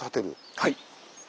はい。